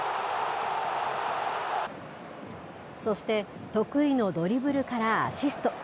そして、得意のドリブルからアシスト。